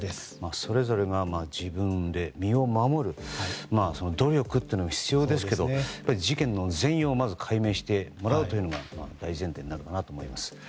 それぞれが自分で身を守る努力というのが必要ですが事件の全容をまず解明してもらうのが大前提になるかなと思います。